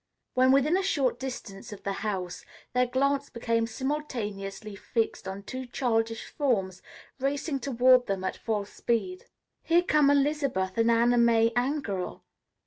When within a short distance of the house, their glance became simultaneously fixed on two childish forms racing toward them at full speed. "Here come Elizabeth and Anna May Angerell."